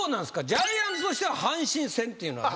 ジャイアンツとしては阪神戦というのはどういう？